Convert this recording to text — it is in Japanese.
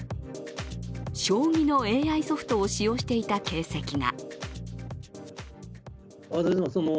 将棋のＡＩソフトを使用していた形跡が。